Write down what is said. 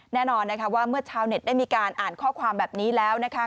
แน่นอนนะคะว่าเมื่อชาวเน็ตได้มีการอ่านข้อความแบบนี้แล้วนะคะ